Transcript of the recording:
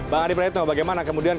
bang adi praetno bagaimana kemudian